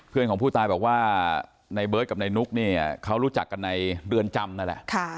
เพื่อนของผู้ตายบอกว่าเบิร์ตกับไอนุ๊กเขารู้จักกันในเรือนจำ